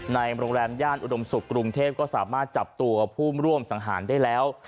ในโรงแรมย่านอุดมศุกร์กรุงเทพก็สามารถจับตัวผู้ร่วมสังหารได้แล้ว